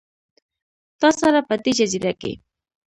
تا سره، په دې جزیره کې